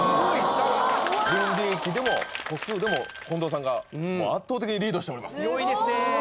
純利益でも個数でも近藤さんが圧倒的にリードしております